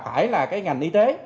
là phải là cái ngành y tế